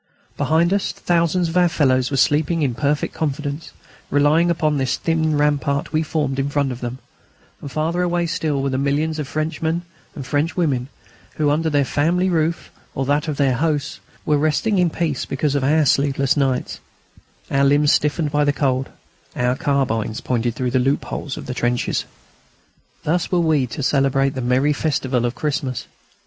Behind us thousands of our fellows were sleeping in perfect confidence, relying upon the thin rampart we formed in front of them; and farther away still there were millions of Frenchmen and Frenchwomen, who, under their family roof or under that of their hosts, were resting in peace because of our sleepless nights, our limbs stiffened by the cold, our carbines pointed through the loopholes of the trenches. Thus were we to celebrate the merry festival of Christmas.